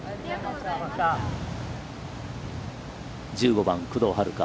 １５番、工藤遥加。